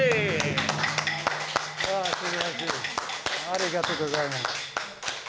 ありがとうございます。